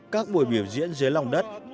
các buổi biểu diễn dưới lòng đất